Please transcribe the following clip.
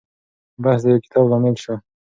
بحث د يو کتاب لامل شو.